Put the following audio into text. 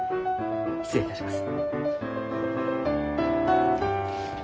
失礼いたします。